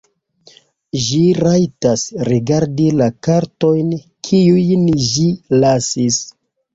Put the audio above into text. Ĝi rajtas rigardi la kartojn, kiujn ĝi lasis.